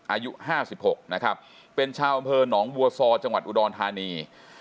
อายุ๕๖นะครับเป็นชาวอำเภอหนองบัวซอจังหวัดอุดรธานี